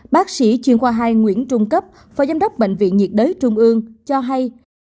bác sĩ chuyên khoa hai nguyễn trung cấp phó giám đốc bệnh viện nhiệt đới trung ương cho hay